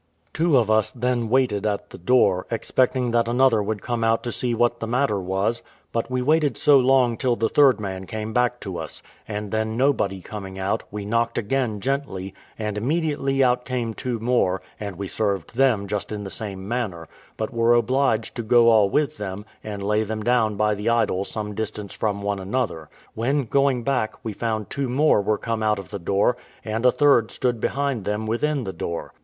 Two of us then waited at the door, expecting that another would come out to see what the matter was; but we waited so long till the third man came back to us; and then nobody coming out, we knocked again gently, and immediately out came two more, and we served them just in the same manner, but were obliged to go all with them, and lay them down by the idol some distance from one another; when, going back, we found two more were come out of the door, and a third stood behind them within the door.